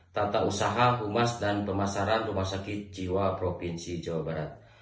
tata usaha humas dan pemasaran rumah sakit jiwa provinsi jawa barat